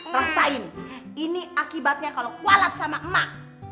rasain ini akibatnya kalau kualat sama emak